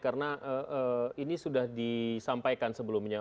karena ini sudah disampaikan sebelumnya